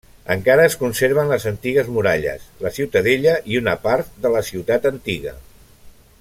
Encara es conserven les antigues muralles, la ciutadella i una part de la ciutat antiga.